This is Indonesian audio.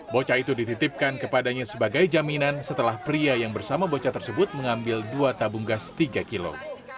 bocah itu dititipkan kepadanya sebagai jaminan setelah pria yang bersama bocah tersebut mengambil dua tabung gas tiga kilo